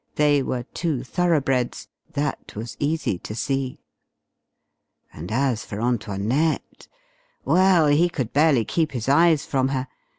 They were two thoroughbreds that was easy to see. And as for Antoinette! Well, he could barely keep his eyes from her.